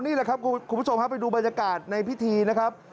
นี่แหละครับคุณผู้ชมครับไปดูบรรยากาศในพิธีนะครับ